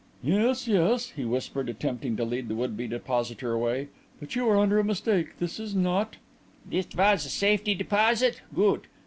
"Yes, yes," he whispered, attempting to lead the would be depositor away, "but you are under a mistake. This is not " "It was a safety deposit? Goot.